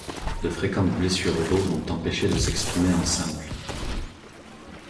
De fréquentes blessures au dos l'ont empêché de s'exprimer en simple.